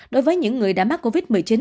đối với những người đã mắc covid một mươi chín